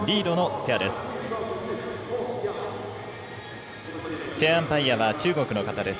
チェアアンパイアは中国の方です。